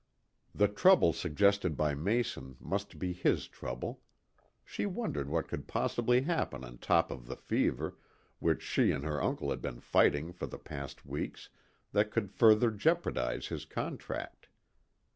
The trouble suggested by Mason must be his trouble. She wondered what could possibly happen on top of the fever, which she and her uncle had been fighting for the past weeks, that could further jeopardize his contract.